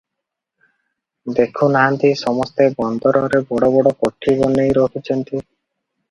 ଦେଖୁ ନାହାନ୍ତି, ସମସ୍ତେ ବନ୍ଦରରେ ବଡ଼ ବଡ଼ କୋଠି ବନେଇ ରହିଛନ୍ତି ।